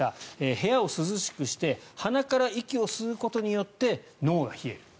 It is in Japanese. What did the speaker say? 部屋を涼しくして鼻から息を吸うことによって脳が冷える。